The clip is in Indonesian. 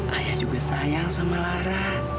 ayah juga sayang sama lara